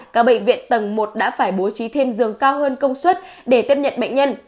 các bệnh viện tầng một đã phải bố trí thêm giường cao hơn công suất để tiếp nhận bệnh nhân